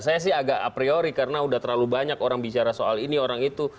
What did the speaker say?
saya sih agak a priori karena udah terlalu banyak orang bicara soal ini orang itu